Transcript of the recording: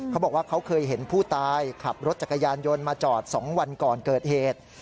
เขาบอกว่าเขาเคยเห็นผู้ตายขับรถจักรยานยนต์มาจอด๒วันก่อนเกิดเหตุ